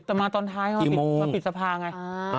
แต่มาตอนท้ายเขามาปิดสภาไง